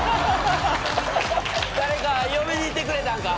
誰か呼びにいってくれたんか？